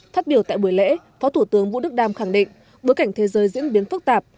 phát biểu tại buổi lễ phó thủ tướng vũ đức đam khẳng định bối cảnh thế giới diễn biến phức tạp